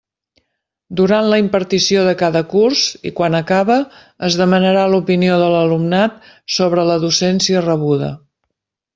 Durant la impartició de cada curs i quan acabe, es demanarà l'opinió de l'alumnat sobre la docència rebuda.